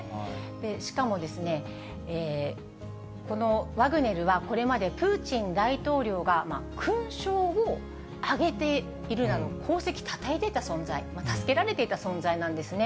しかもですね、このワグネルは、これまでプーチン大統領が勲章をあげているなど、功績たたえていた存在、助けられていた存在なんですね。